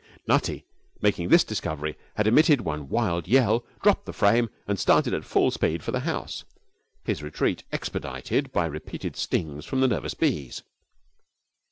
Nutty, making this discovery, had emitted one wild yell, dropped the frame, and started at full speed for the house, his retreat expedited by repeated stings from the nervous bees.